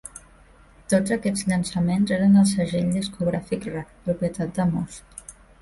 Tots aquests llançaments eren al segell discogràfic Rak, propietat de Most.